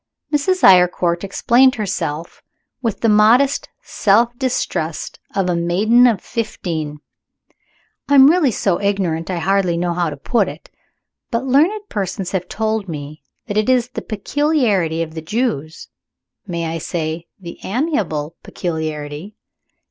Mrs. Eyrecourt explained herself with the modest self distrust of a maiden of fifteen. "I am really so ignorant, I hardly know how to put it. But learned persons have told me that it is the peculiarity of the Jews may I say, the amiable peculiarity?